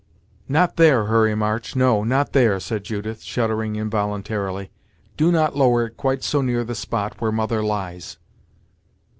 "Not there Harry March no, not there," said Judith, shuddering involuntarily; "do not lower it quite so near the spot where mother lies!"